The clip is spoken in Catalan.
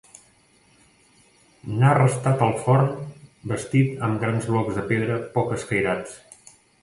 N'ha restat el forn, bastit amb grans blocs de pedra poc escairats.